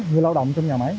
người lao động trong nhà máy